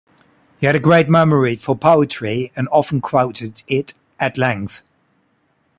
He had a great memory for poetry and often quoted it at length.